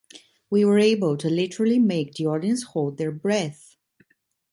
We were able to literally make the audience hold their breath.